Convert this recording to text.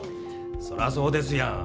そらそうですやん。